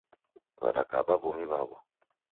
W'adakaba w'omi w'aw'o .